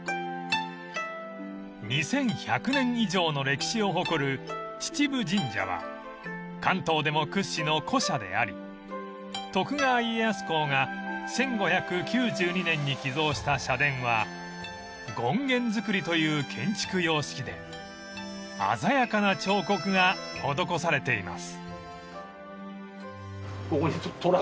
［２，１００年以上の歴史を誇る秩父神社は関東でも屈指の古社であり徳川家康公が１５９２年に寄贈した社殿は権現造という建築様式で鮮やかな彫刻が施されています］